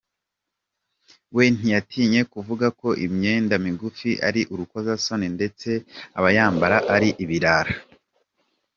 We ntiyatinye kuvuga ko imyenda migufi ari urukozasoni ndetse abayambara ari ibirara.